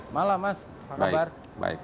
malam mas apa kabar